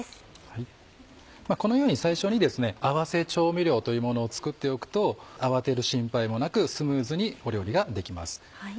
このように最初に合わせ調味料というものを作っておくと慌てる心配もなくスムーズに料理ができます。